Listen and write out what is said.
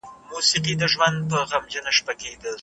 اګوستین یو مسیحي پوه او فیلسوف و.